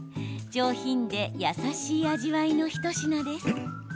上品で優しい味わいの一品です。